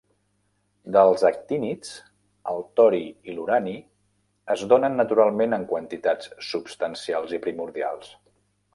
Dels actínids, el tori i l'urani es donen naturalment en quantitats substancials i primordials.